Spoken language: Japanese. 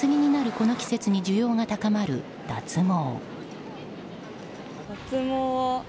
この季節に需要が高まる脱毛。